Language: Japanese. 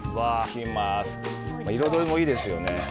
彩もいいですよね。